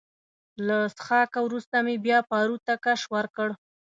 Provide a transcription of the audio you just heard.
له څښاکه وروسته مې بیا پارو ته کش ورکړ.